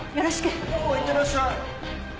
おおいってらっしゃい！